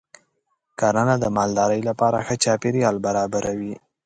کرنه د مالدارۍ لپاره ښه چاپېریال برابروي.